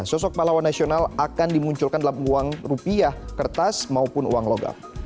sosok pahlawan nasional akan dimunculkan dalam uang rupiah kertas maupun uang logam